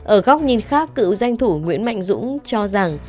ở góc nhìn khác cựu danh thủ nguyễn mạnh dũng cho rằng